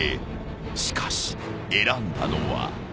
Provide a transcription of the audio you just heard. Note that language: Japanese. ［しかし選んだのは］